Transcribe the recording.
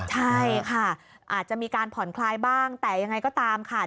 ใช่ค่ะอาจจะมีการผ่อนคลายบ้างแต่ยังไงก็ตามค่ะ